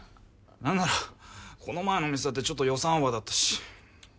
何ならこの前の店だってちょっと予算オーバーだったし。